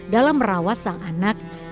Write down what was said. dalam merawat sang anak dan anak anak